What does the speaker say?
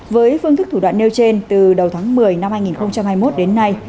với phương thức thủ đoạn nêu trên từ đầu tháng một mươi năm hai nghìn hai mươi một đến nay